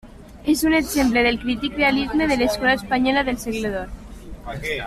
És un exemple del crític realisme de l'escola espanyola del Segle d'Or.